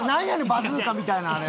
バズーカみたいなあれ。